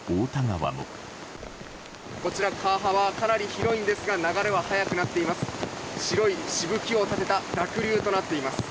川幅はかなり広いんですが流れは速くなっています。